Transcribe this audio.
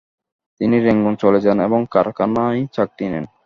তিনি রেঙ্গুনে চলে যান এবং কারখানায় চাকরি নেন।